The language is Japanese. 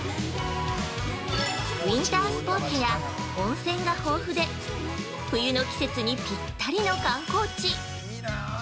ウインタースポーツや温泉が豊富で、冬の季節にぴったりの観光地。